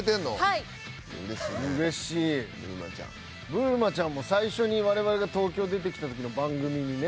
ぶるまちゃんも最初に我々が東京出てきた時の番組にね。